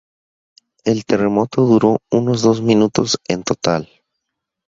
El terremoto duró unos dos minutos en total.